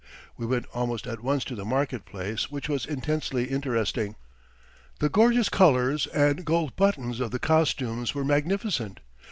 We went almost at once to the market place, which was intensely interesting. The gorgeous colours and gold buttons of the costumes were magnificent.